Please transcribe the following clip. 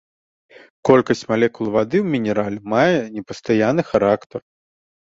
Колькасць малекул вады ў мінерале мае непастаянны характар.